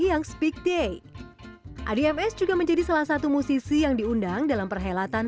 adi ms juga menjadi salah satu musisi yang diundang dalam perhelatan